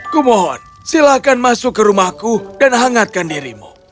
kumohon silahkan masuk ke rumahku dan hangatkan dirimu